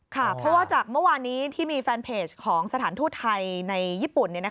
เพราะว่าจากเมื่อวานนี้ที่มีแฟนเพจของสถานทูตไทยในญี่ปุ่น